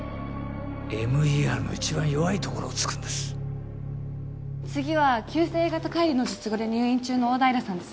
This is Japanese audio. ＭＥＲの一番弱いところを突くんです次は急性Ａ型解離の術後で入院中の大平さんです